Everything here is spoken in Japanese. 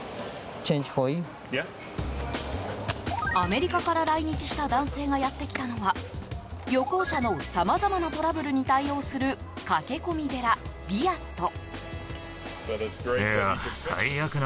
アメリカから来日した男性がやってきたのは旅行者のさまざまなトラブルに対応する駆け込み寺リアット！。